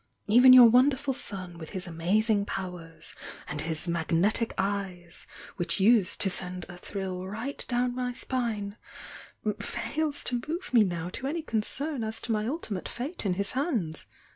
Even your wonderful son, with his amazing powers and his magnetic eyes which used to send a thrill right down my spine, fails to move me now to THE YOUNG DIANA 247 any concern as to my ultimate fate in his hands.